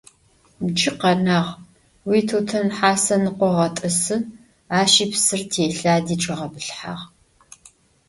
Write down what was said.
Cı khenağ: yitutın hase nıkhoğet'ısı, aşi psır têlhadi çç'iğebılhıhağ.